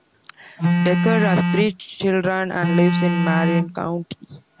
Decker has three children and lives in Marin County.